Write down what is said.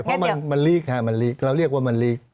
เพราะมันลีกค่ะมันลีกเราเรียกว่ามันลีก